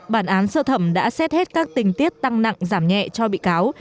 bản án sơ thẩm đã xét hết các tình tiết tăng nặng giảm nhẹ cho bị cáo